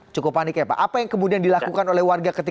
cukup panik ya pak apa yang kemudian dilakukan oleh warga ketika